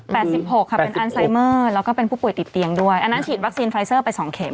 สิบหกค่ะเป็นอันไซเมอร์แล้วก็เป็นผู้ป่วยติดเตียงด้วยอันนั้นฉีดวัคซีนไฟเซอร์ไปสองเม็